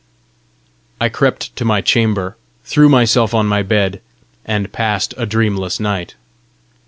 I crept to my chamber, threw myself on my bed, and passed a dreamless night.